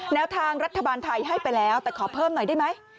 แนวทางรัฐบาลไทยให้ไปแล้วแต่ขอเพิ่มหน่อยได้ไหม